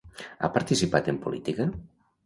Ha participat en política?